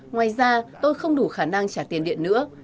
ngoài ra tôi không đủ khả năng trả tiền điện nữa